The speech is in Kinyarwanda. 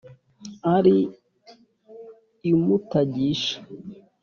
ari i mutagisha,